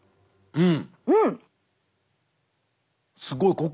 うん！